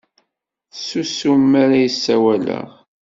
Ttsusum mi ara ssawaleɣ.